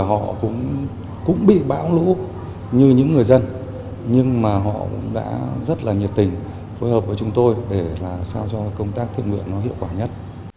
họ cũng bị báo lũ như những người dân nhưng mà họ cũng đã rất là nhiệt tình phối hợp với chúng tôi để là sao cho công tác thương lượng nó hiệu quả nhất